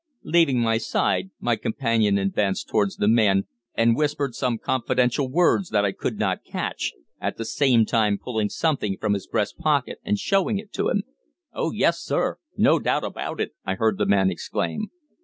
Leaving my side my companion advanced towards the man and whispered some confidential words that I could not catch, at the same time pulling something from his breast pocket and showing it to him. "Oh, yes, sir. No doubt abawt it!" I heard the man exclaim.